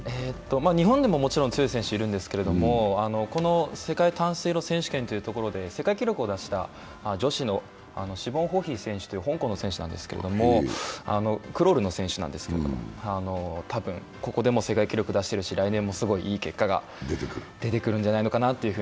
日本でももちろん強い選手いるんですけど、この世界短水路選手権で世界記録を出した女子のシホン・ホヒ選手という香港の選手なんですけれども、クロール野瀬氏なんですけれども、多分、ここでも世界記録出しているし、来年もすごいいい結果が出てくるんじゃないかなと。